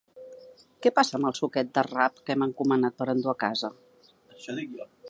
Què passa amb el suquet de rap que hem encomanat per endur a casa?